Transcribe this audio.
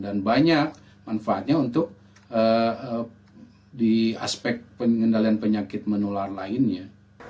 dan banyak manfaatnya untuk di aspek pengendalian penyakit menular lainnya